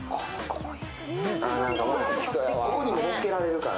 ここにも乗っけられるから。